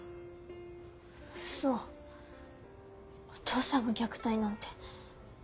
嘘お父さんが虐待なんて。